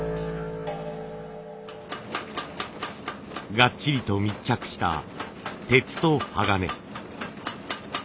がっちりと密着した鉄と鋼。